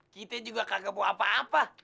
kita juga kagak mau apa apa